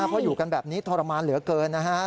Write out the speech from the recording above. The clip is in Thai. เพราะอยู่กันแบบนี้ทรมานเหลือเกินนะฮะ